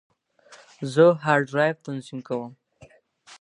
زه هارد ډرایو تنظیم کوم.